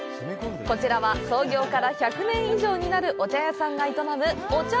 こちらは、創業から１００年以上になるお茶屋さんが営むお茶